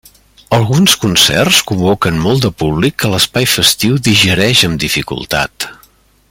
Alguns concerts convoquen molt de públic que l'espai festiu digereix amb dificultat.